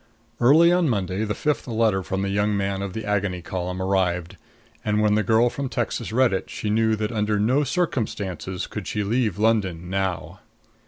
Early on Monday the fifth letter from the young man of the Agony Column arrived, and when the girl from Texas read it she knew that under no circumstances could she leave London now.